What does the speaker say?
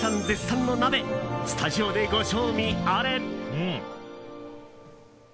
絶賛の鍋スタジオでご賞味あれ。